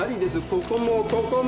ここもここも。